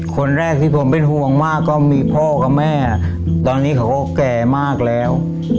คนแรกที่ผมเป็นห่วงมากก็มีพ่อกับแม่ตอนนี้เขาก็แก่มากแล้ว